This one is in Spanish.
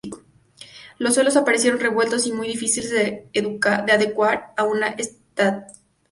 Los suelos aparecieron revueltos y muy difíciles de adecuar a una estratigrafía.